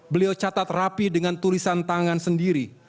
beliau catat rapi dengan tulisan tangan sendiri